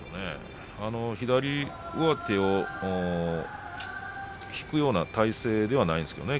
左上手を引くような体勢ではないですよね。